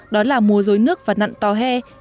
đó là mùa dối nước và nặng tòa hè